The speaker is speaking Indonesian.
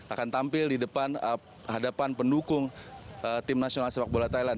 akan tampil di depan hadapan pendukung tim nasional sepak bola thailand